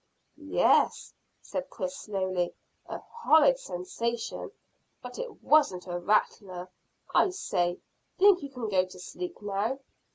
"Yes," said Chris slowly, "a horrid sensation, but it wasn't a rattler. I say, think you can go to sleep now?"